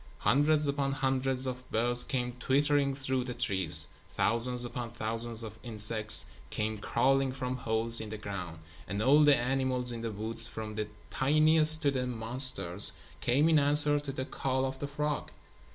Hundreds upon hundreds of birds came twittering through the trees; thousands upon thousands of insects came crawling from holes in the ground; and all the animals in the woods, from the tiniest to the monsters, came in answer to the call of the frog.